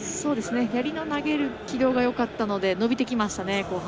やりの投げる軌道がよかったので伸びてきましたね、後半。